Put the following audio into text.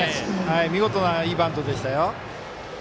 見事な、いいバントでしたよ。